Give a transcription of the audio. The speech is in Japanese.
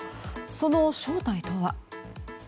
その正体とは。